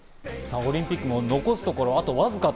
オリンピックも残すところあとわずか。